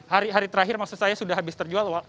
hari hari terakhir maksud saya sudah habis terjual